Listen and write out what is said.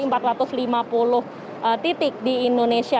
jadi ini adalah titik di indonesia